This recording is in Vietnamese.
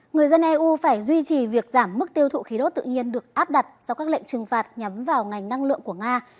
người dân eu phải duy trì việc giảm mức tiêu thụ khí đốt tự nhiên được áp đặt do các lệnh trừng phạt nhắm vào ngành năng lượng của nga